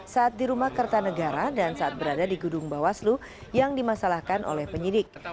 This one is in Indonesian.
saat di rumah kertanegara dan saat berada di gedung bawaslu yang dimasalahkan oleh penyidik